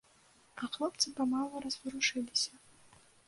А хлопцы памалу разварушыліся.